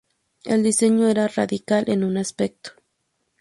El diseño era radical en un aspecto.